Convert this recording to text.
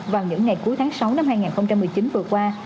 vào những ngày cuối tháng sáu năm hai nghìn một mươi chín vừa qua